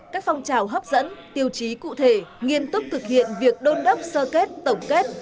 các phong trào hấp dẫn tiêu chí cụ thể nghiêm túc thực hiện việc đôn đốc sơ kết tổng kết